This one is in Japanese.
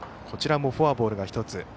こちらもフォアボールは１つ。